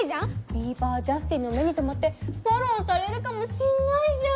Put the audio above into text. ビーバー・ジャスティンの目に留まってフォローされるかもしんないじゃん。